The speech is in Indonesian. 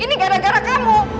ini gara gara kamu